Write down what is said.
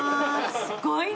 すごいね。